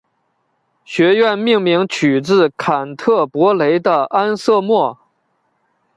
学院命名取自坎特伯雷的安瑟莫。